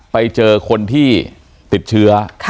ไปเจอคนที่ติดเชื้อ